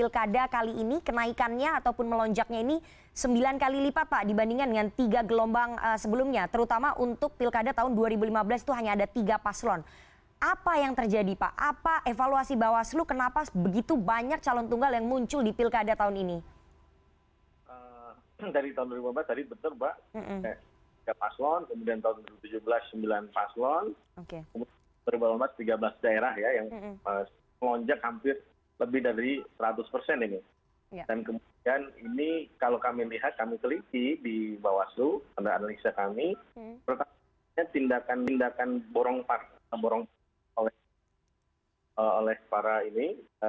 kenapa begitu banyak calon tunggal yang muncul di pilkada tahun ini